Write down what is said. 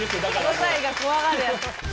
５歳が怖がるやつ。